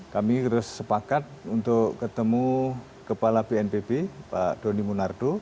kami terus sepakat untuk ketemu kepala bnpb pak doni munardo